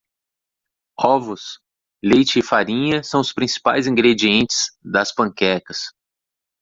Ovos? leite e farinha são os principais ingredientes das panquecas.